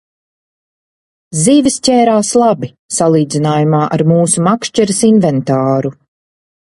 Zivis ķērās labi, salīdzinājumā ar mūsu makšķeres inventāru.